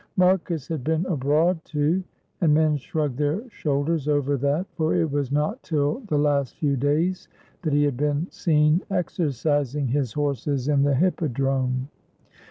Marcus had been abroad, too, and men shrugged their shoulders over that, for it was not till the last few days that he had been seen exercising his horses in the hippodrome.